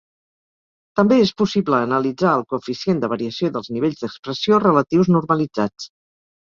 També és possible analitzar el coeficient de variació dels nivells d'expressió relatius normalitzats.